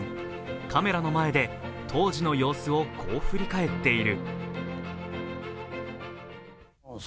カメラの前で、当時の様子をこう振り返っている。